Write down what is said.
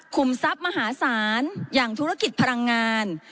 ทรัพย์มหาศาลอย่างธุรกิจพลังงาน